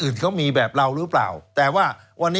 โดย